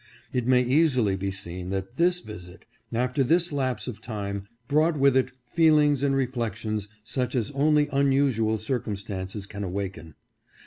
It may easily be seen that this visit, after this lapse of time, brought with it feelings and reflections such as only unusual circumstances can awaken.